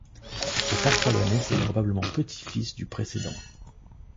Cet Artabanès est probablement petit-fils du précédent.